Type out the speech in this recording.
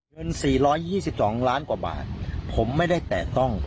เงิน๔๒๒ล้านกว่าบาทผมไม่ได้แตะต้อง